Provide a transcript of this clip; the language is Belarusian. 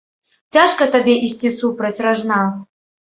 Цяжка табе ісці супраць ражна.